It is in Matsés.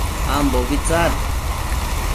ambobi tsad